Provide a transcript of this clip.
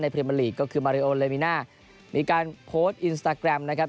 พรีเมอร์ลีกก็คือมาริโอเลมิน่ามีการโพสต์อินสตาแกรมนะครับ